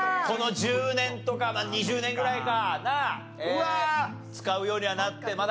この１０年とか２０年ぐらいか使うようにはなって。